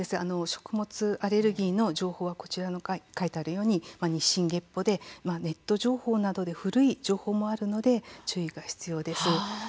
食物アレルギーの情報はこちらに書いてあるように日進月歩で、ネット情報などで古い情報もあるので注意が必要です。